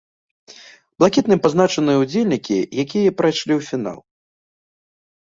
Блакітным пазначаны удзельнікі, якія прайшлі ў фінал.